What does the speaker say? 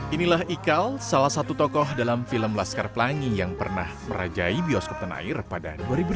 inilah iqal salah satu tokoh dalam film laskar pelangi yang pernah merajai bioskop tenair pada dua ribu delapan